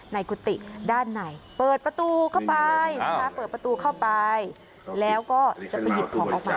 กุฏิด้านในเปิดประตูเข้าไปเปิดประตูเข้าไปแล้วก็จะไปหยิบของออกมา